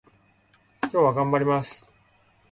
今日は頑張ります